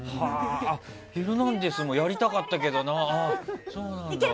「ヒルナンデス！」もやりたかったけどな。